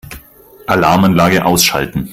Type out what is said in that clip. Alarmanlage ausschalten.